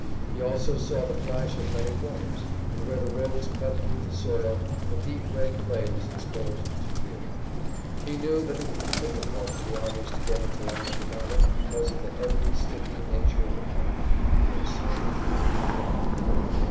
He also saw the flash of many waters, and, where the roads cut through the soil, a deep red clay was exposed to view. He knew that it would be difficult for the armies to get into line for battle, because of the heavy, sticky nature of the ground, upon which so much rain had fallen.